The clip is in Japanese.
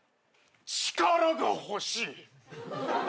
力が欲しい。